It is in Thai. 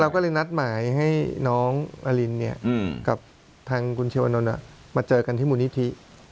ก็เลยนัดหมายให้น้องอลินกับทางคุณชิวนนท์มาเจอกันที่มูลนิธิ